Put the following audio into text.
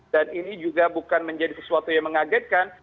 ini juga bukan menjadi sesuatu yang mengagetkan